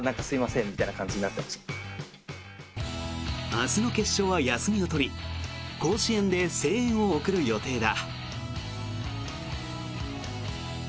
明日の決勝は休みを取り甲子園で声援を送る予定だ。